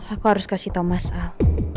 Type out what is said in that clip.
aku harus kasih tau mas al